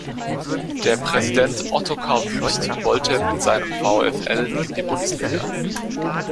Der Präsident Ottokar Wüst wollte mit seinem VfL in die Bundesliga.